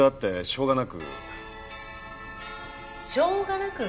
しょうがなく？